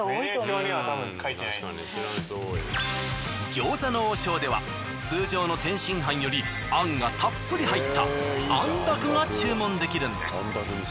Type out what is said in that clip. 餃子の王将では通常の天津飯より餡がたっぷり入った餡だくが注文できるんです。